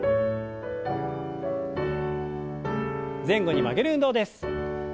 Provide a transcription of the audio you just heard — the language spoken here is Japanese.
前後に曲げる運動です。